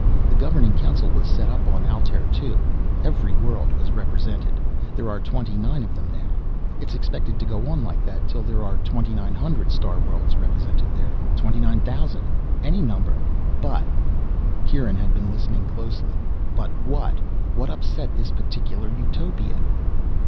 The governing council was set up at Altair Two. Every world was represented. There are twenty nine of them, now. It's expected to go on like that, till there are twenty nine hundred starworlds represented there, twenty nine thousand any number. But " Kieran had been listening closely. "But what? What upset this particular utopia?"